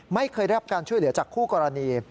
ไม่เคยได้รับการช่วยเหลือจากคู่กรณี